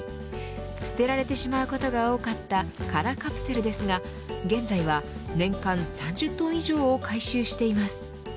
捨てられてしまうことが多かった空カプセルですが現在は、年間３０トン以上を回収しています。